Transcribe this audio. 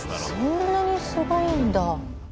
そんなにすごいんだ。